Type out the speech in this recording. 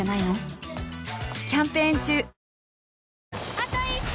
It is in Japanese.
あと１周！